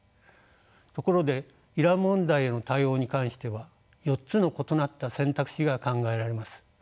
ところでイラン問題への対応に関しては４つの異なった選択肢が考えられます。